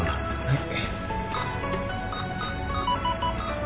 はい。